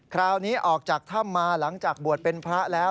คราวนี้ออกจากถ้ำมาหลังจากบวชเป็นพระแล้ว